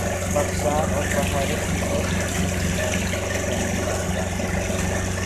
پاکستان اور بھارت کی test series England میں کھیلے جانے کا امکان